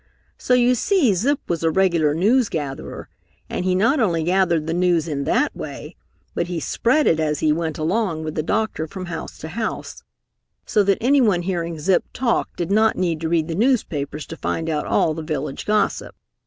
So you see Zip was a regular news gatherer, and he not only gathered the news in that way, but he spread it as he went along with the doctor from house to house, so that anyone hearing Zip talk did not need to read the newspaper to find out all the village gossip.